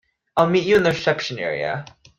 I'll meet you in the reception area.